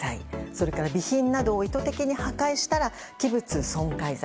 それから備品などを意図的に破壊したら器物損壊罪。